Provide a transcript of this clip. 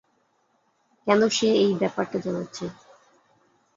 কেন সে এই ব্যাপারটা জানাচ্ছে?